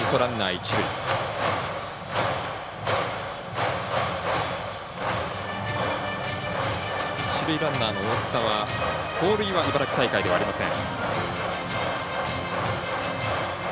一塁ランナーの大塚は盗塁は茨城大会ではありません。